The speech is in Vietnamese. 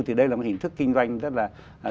thì đây là một hình thức kinh doanh rất là